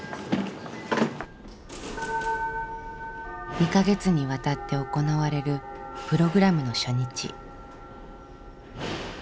２か月にわたって行われるプログラムの初日。